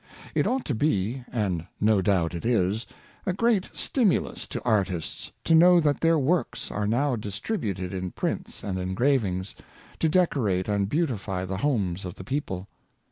It ought to be, and no doubt it is, a great stimulus to artists to know that their works are now distributed in prints and engravings, to decorate and beautify the homes of the people.